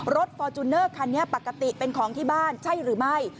ฟอร์จูเนอร์คันนี้ปกติเป็นของที่บ้านใช่หรือไม่